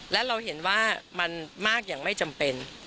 และเราเห็นว่ามันมากอย่างไม่จำเป็น